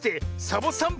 サボさん